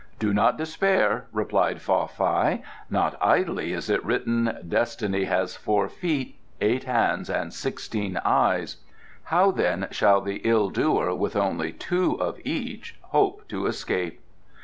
"Do not despair," replied Fa Fai. "Not idly is it written: 'Destiny has four feet, eight hands and sixteen eyes: how then shall the ill doer with only two of each hope to escape?